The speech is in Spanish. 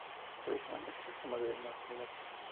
Tradicionalmente se toma de noche.